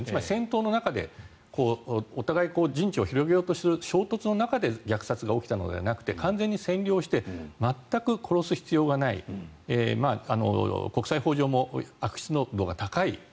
戦闘の中でお互い陣地を広げようとする衝突の中で虐殺が起きたのではなくて完全に占領して全く殺す必要がない国際法上も悪質度が高い